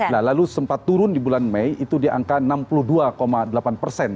nah lalu sempat turun di bulan mei itu di angka enam puluh dua delapan persen